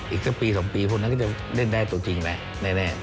อีกจะปี๒ปีพวกนั้นก็จะเล่นได้ส่วนจริงแหล่ง